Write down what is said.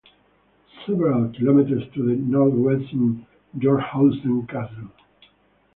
Several kilometres to the northwest is Georghausen Castle.